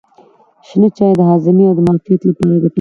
شنه چای د هاضمې او معافیت لپاره ګټور دی.